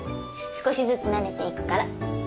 少しずつ慣れていくから。